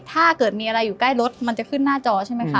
ถ้าเกิดมีอะไรอยู่ใกล้รถมันจะขึ้นหน้าจอใช่ไหมคะ